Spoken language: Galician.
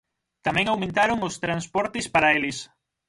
Tamén aumentaron os transportes para eles.